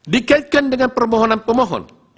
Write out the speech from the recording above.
dikaitkan dengan permohonan pemohon